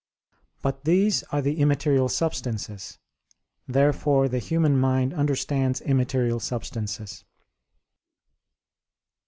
But these are the immaterial substances. Therefore the human mind understands immaterial substances.